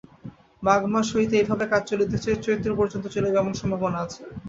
মাঘ মাস হইতে এইভাবে কাজ চলিতেছে, চৈত্র পর্যন্ত চলিবে এমন সম্ভাবনা আছে।